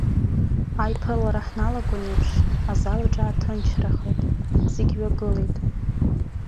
Аиԥылара ҳналгон еиԥш, азал аҿы ааҭынчрахеит, зегь ҩагылеит.